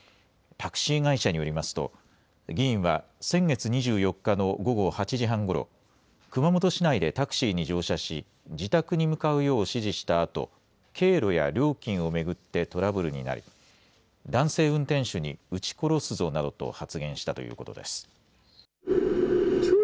タクシー会社によりますと、議員は先月２４日の午後８時半ごろ、熊本市内でタクシーに乗車し、自宅に向かうよう指示したあと、経路や料金を巡ってトラブルになり、男性運転手にうち殺すぞなどと発言したということです。